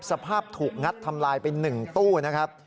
สภาพถูกงัดทำลายไป๑ตู้นะครับ